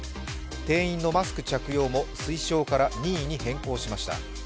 店員のマスク着用も推奨から任意に変更しました。